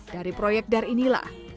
dari proyek dar inilah